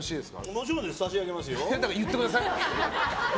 もちろんです、差し上げますよ。